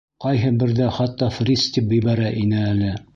Ҡайһы берҙә хатта Фриц тип ебәрә ине әле.